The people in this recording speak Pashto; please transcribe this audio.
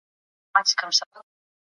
مينداره